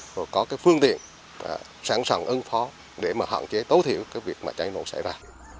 rồi có cái phương tiện sẵn sàng ứng phó để mà hạn chế tối thiểu cái việc mà cháy nổ xảy ra